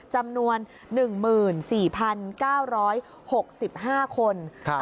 จำนวน๑๔๙๖๕คน